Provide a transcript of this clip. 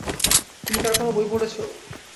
তুমি তাঁর কোনো বই পড়েছে?